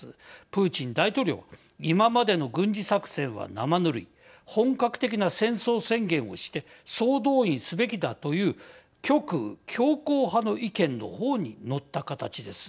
プーチン大統領は、今までの軍事作戦は生ぬるい本格的な戦争宣言をして総動員すべきだという極右強硬派の意見の方にのった形です。